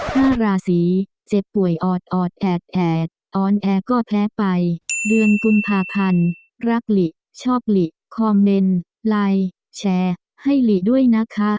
ห้าราศีเจ็บป่วยออดออดแอดแอดออนแอร์ก็แพ้ไปเดือนกุมภาพันธ์รักหลิชอบหลีคอมเมนต์ไลน์แชร์ให้หลีด้วยนะคะ